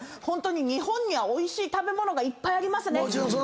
ホントに日本にはおいしい食べ物がいっぱいありますね。